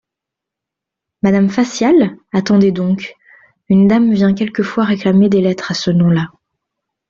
Madame Facial ? Attendez donc … Une dame vient quelquefois réclamer des lettres à ce nom-là.